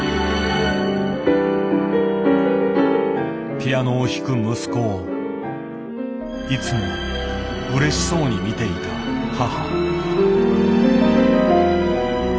ピアノを弾く息子をいつもうれしそうに見ていた母。